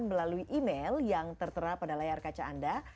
melalui email yang tertera pada layar kaca anda